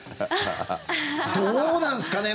どうなんすかね。